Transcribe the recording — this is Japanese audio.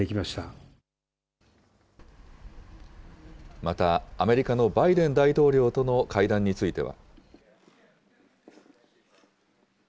また、アメリカのバイデン大統領との会談については。